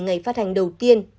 ngày phát hành đầu tiên